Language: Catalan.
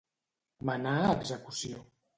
Menar a execució.